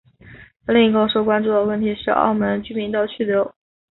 另一个受关注的问题是澳门居民的去留。